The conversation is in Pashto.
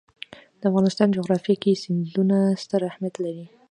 د افغانستان جغرافیه کې سیندونه ستر اهمیت لري.